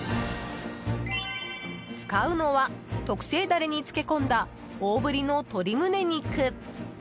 使うのは特製ダレに漬け込んだ大ぶりの鶏胸肉。